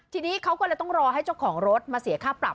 ทีนี้เขาก็เลยต้องรอให้เจ้าของรถมาเสียค่าปรับ